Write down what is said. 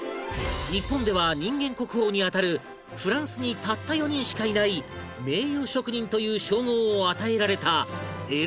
日本では人間国宝に当たるフランスにたった４人しかいない名誉職人という称号を与えられたエルベ・モンスさん